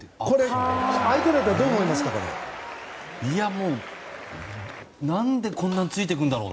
もう何でこんなについてくるんだろう。